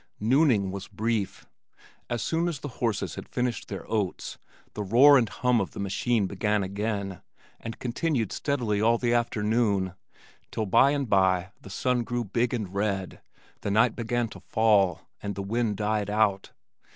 Nooning was brief. As soon as the horses had finished their oats, the roar and hum of the machine began again and continued steadily all the afternoon, till by and by the sun grew big and red, the night began to fall, and the wind died out.